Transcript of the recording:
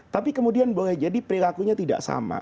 tapi kemudian boleh jadi perilakunya tidak sama